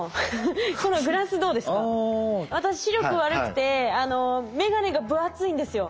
私視力悪くてめがねが分厚いんですよ。